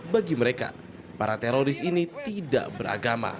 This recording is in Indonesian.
bagi mereka para teroris ini tidak beragama